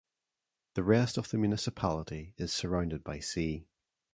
The rest of the municipality is surrounded by sea.